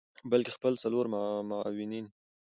بلکه خپل څلور معاونین